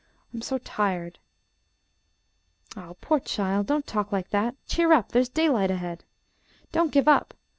I am so tired." "Ah, poor child, don't talk like that cheer up there's daylight ahead. Don't give up.